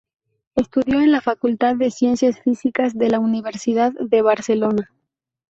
Estudió en la Facultad de Ciencias Físicas de la Universidad de Barcelona.